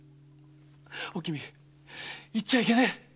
おきみ行っちゃいけねえ。